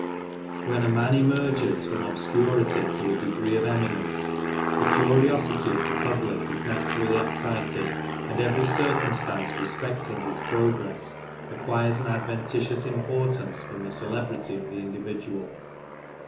When a man emerges from obscurity to a degree of eminence, the curiosity of the public is naturally excited, and every circumstajjee respecting his progress, acquires an adventitious importance from the celebrity of the individual.